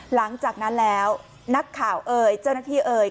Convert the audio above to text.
หลังจากนั้นแล้วนักข่าวเอ่ยเจ้าหน้าที่เอ่ย